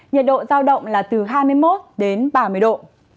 nhiệt độ giao động là từ hai mươi một đến ba mươi độ